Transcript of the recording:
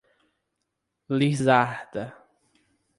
Lizarda